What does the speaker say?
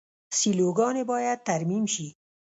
سیلوګانې باید ترمیم شي.